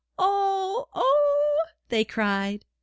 ''Oh, oh!" they cried.